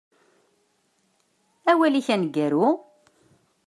Awal-ik aneggaru?